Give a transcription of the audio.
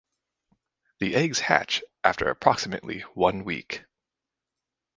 The eggs hatch after approximately one week.